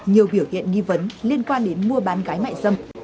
nhiều biểu hiện nghi vấn liên quan đến mua bán gái mại dâm